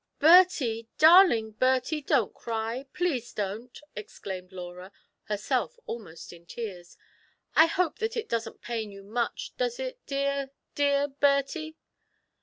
"Bertie, darling Bertie, don't cry, please don't!" exclaimed Laura, herself almost in tears ;'* I hope that it doesn't pain you much, does it, dear, dear Bertie